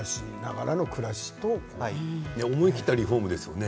思い切ったリフォームですよね